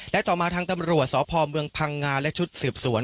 และต่อมาทางตำรวจสพเมืองพังงาและชุดสืบสวน